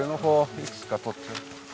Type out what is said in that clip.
いくつか採っちゃう。